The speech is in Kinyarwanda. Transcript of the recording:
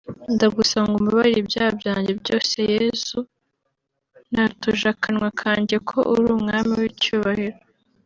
ndagusaba ngo umbabarire ibyaha byajye byose; Yesu natuje akanwa kanjye ko uri umwami w’icyubahiro